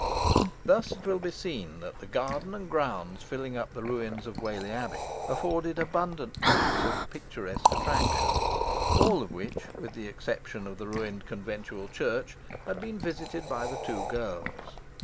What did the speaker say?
Thus it will be seen that the garden and grounds, filling up the ruins of Whalley Abbey, offered abundant points of picturesque attraction, all of which with the exception of the ruined conventual church had been visited by the two girls.